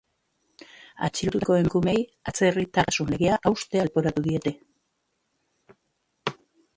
Atxilotutako emakumeei atzerritartasun legea haustea leporatu diete.